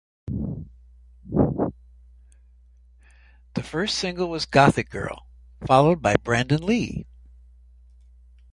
The first single was "Gothic Girl", followed by "Brandon Lee".